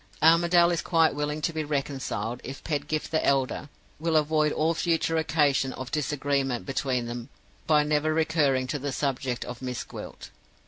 Armadale is quite willing to be reconciled if Pedgift the elder will avoid all future occasion of disagreement between them by never recurring to the subject of Miss Gwilt.